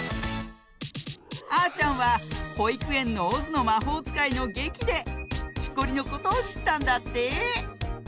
あーちゃんはほいくえんの「オズのまほうつかい」のげきできこりのことをしったんだって。